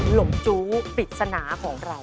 หลบจู๊ปิดสนาของเรา